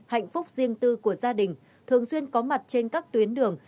hạnh phúc riêng tư của gia đình thường xuyên có mặt trên các tuyến đường